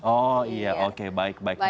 oh iya oke baik baik